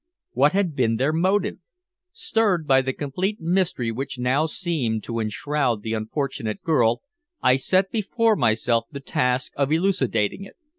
What had been their motive? Stirred by the complete mystery which now seemed to enshroud the unfortunate girl, I set before myself the task of elucidating it.